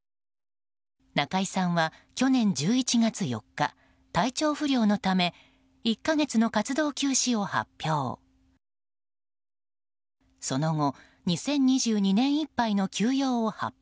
中居さんは、去年１１月４日体調不良のため１か月の活動休止を発表。